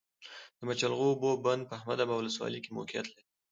د مچلغو اوبو بند په احمد ابا ولسوالۍ کي موقعیت لری